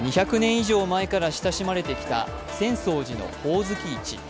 以上前から親しまれてきた浅草寺のほおずき市。